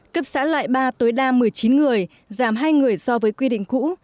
cấp xã loại ba tối đa một mươi chín người giảm hai người so với quy định cũ